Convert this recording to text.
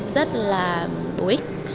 rất là tối ích